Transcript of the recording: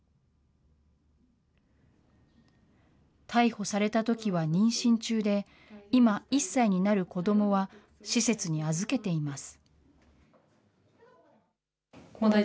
逮捕されたときは妊娠中で、今、１歳になる子どもは、施設に預けています。